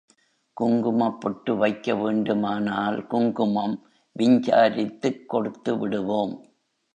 குங்குமப் பொட்டு வைக்க வேண்டுமானால் குங்குமம் விஞ்சாரித்துக் கொடுத்துவிடுவோம்.